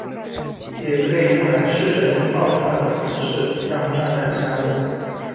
也可以用来试着用爆炸的方式让炸弹下落。